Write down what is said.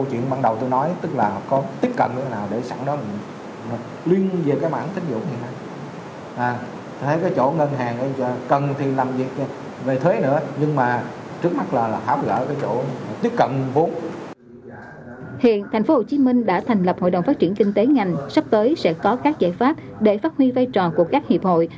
hiện tp hcm đã thành lập hội đồng phát triển kinh tế ngành sắp tới sẽ có các giải pháp để phát huy vai trò của các hiệp hội